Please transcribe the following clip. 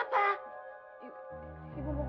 mas gue pasti menang